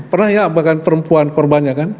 pernah ya bahkan perempuan korbannya kan